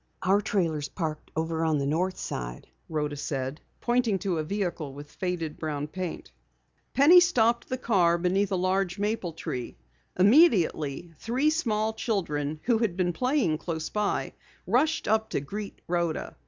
"Our trailer is parked over at the north side," Rhoda said, pointing to a vehicle with faded brown paint. Penny stopped the car beneath a large maple tree. Immediately three small children who had been playing close by, rushed up to greet Rhoda.